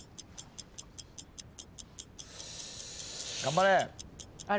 ・頑張れ。